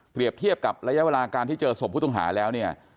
เทียบกับระยะเวลาการที่เจอศพผู้ต้องหาแล้วเนี่ย